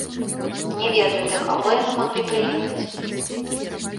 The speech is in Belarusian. Не ведаю, да каго яны маглі прыехаць.